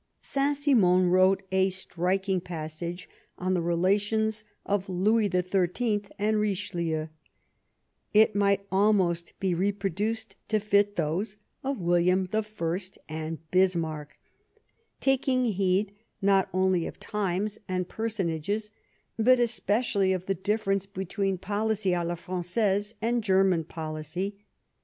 Saint Simon wrote a striking passage on the rela tions of Louis XIII and Richelieu ; it might almost be reproduced to fit those of William I and Bismarck, taking heed not only of times and per 218 Last Fights sonages, but especially of the difference between policy d la Frangaise and German policy.